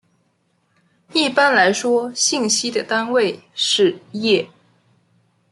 一般来说信息的单位是页。